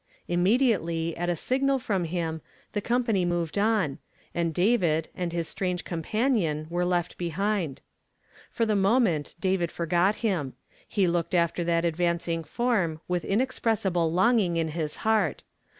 Immediately at a signal from him, the company moved on, and David and iiis strange comi)anion were left behind. For the moment, David forgot him ; he looked after that advancing form with inexpressible longing in his heart.